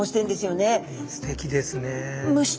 すてきですね。